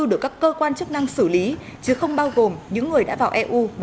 được các cơ quan chức năng xử lý chứ không bao gồm những người đã vào eu